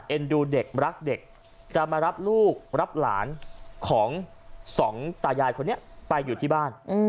ดูเด็กรักเด็กจะมารับลูกรับหลานของสองตายายคนนี้ไปอยู่ที่บ้าน